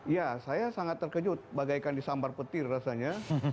ya saya sangat terkejut bagaikan disambar petir rasanya